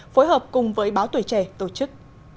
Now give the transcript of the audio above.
phối hợp cùng với báo tuổi trẻ tổ chức